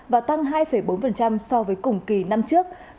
và tăng hai bốn so với cùng kỳ năm trước